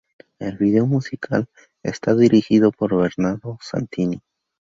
El video musical está dirigido por Bernardo Santini.